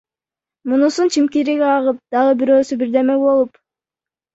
Мунусунун чимкириги агып, дагы бирөөсү бирдеме болуп!